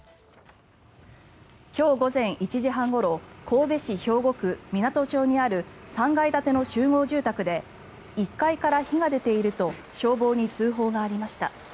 今日午前１時半ごろ神戸市兵庫区湊町にある３階建ての集合住宅で１階から火が出ていると消防に通報がありました。